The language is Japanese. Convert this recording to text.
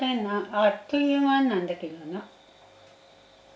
あっという間なんだけどな。